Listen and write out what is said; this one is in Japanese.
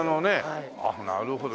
なるほど。